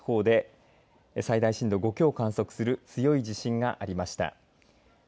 午後９時５８分ごろ北陸地方で最大震度５強を観測する強い地震がありました。